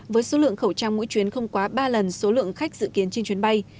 với số lượng khẩu trang mỗi chuyến không quá ba lần số lượng khách dự kiến trên chuyến bay